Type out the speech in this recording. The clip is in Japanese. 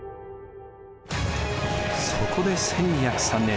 そこで１２０３年